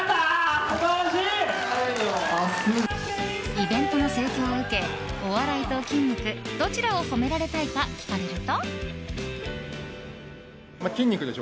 イベントの盛況を受けお笑いと筋肉どちらを褒められたいか聞かれると。